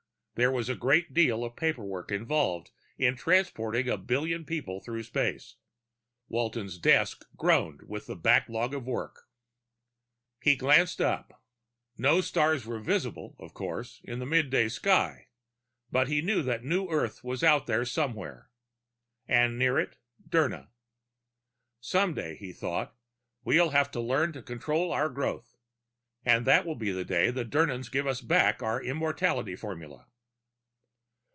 There was a great deal of paperwork involved in transporting a billion people through space. Walton's desk groaned with a backlog of work. He glanced up. No stars were visible, of course, in the midday sky, but he knew that New Earth was out there somewhere. And near it, Dirna. Some day, he thought, _we'll have learned to control our growth. And that will be the day the Dirnans give us back our immortality formula.